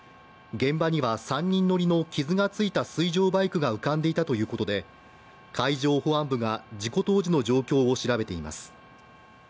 現場には３人乗りの傷がついた水上バイクが浮かんでいたということで、海上保安部が事故当時の状況を調べています。